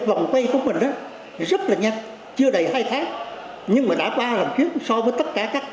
vòng quay của mình rất là nhanh chưa đầy hai tháng nhưng mà đã qua làm chuyến so với tất cả các